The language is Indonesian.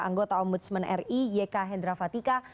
anggota om budsman ri yk hendra fatika